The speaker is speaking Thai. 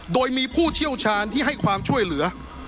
โดยมีผู้เชี่ยวชาญที่ให้ความช่วยเหลือ